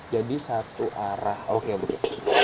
jadi satu arah oke oke